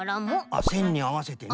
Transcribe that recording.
あっせんにあわせてね。